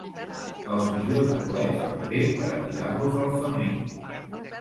Els millors bolets van bé per tirar-los al femer.